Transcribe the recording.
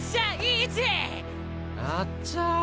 あっちゃ。